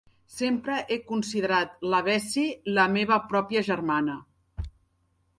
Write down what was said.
Sempre he considerat la Bessie la meva pròpia germana.